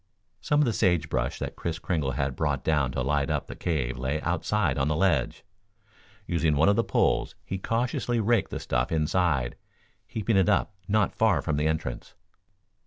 Some of the sage brush that Kris Kringle had brought down to light up the cave lay outside on the ledge. Using one of the poles, he cautiously raked the stuff inside, heaping it up not far from the entrance.